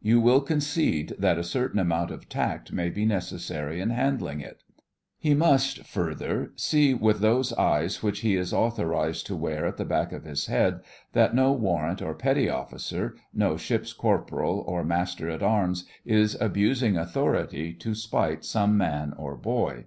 You will concede that a certain amount of tact may be necessary in handling it? He must, further, see with those eyes which he is authorised to wear at the back of his head, that no warrant or petty officer, no ship's corporal, or master at arms is abusing authority to spite some man or boy.